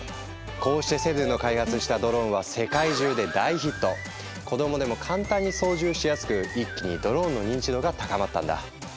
こうしてセドゥの開発したドローンは子供でも簡単に操縦しやすく一気にドローンの認知度が高まったんだ。